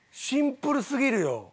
シンプルすぎるよ。